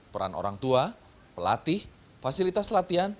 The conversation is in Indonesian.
peran orang tua pelatih fasilitas latihan